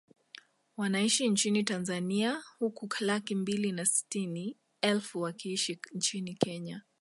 Wanaishi nchini Tanzania huku laki mbili na sitini elfu wakiishi nchini Kenya